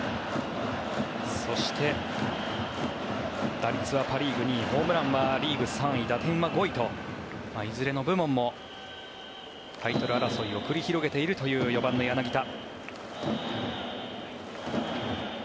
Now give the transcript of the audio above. そして、打率はパ・リーグ２位ホームランはリーグ３位打点は５位と、いずれの部門もタイトル争いを繰り広げているという４番の柳田。